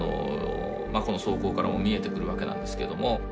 この草稿からも見えてくるわけなんですけども。